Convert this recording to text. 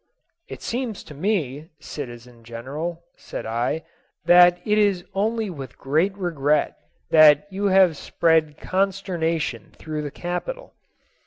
"' It seems to me, citizen general,' said I, ' that it is only with regret that you have spread consternation through the capital.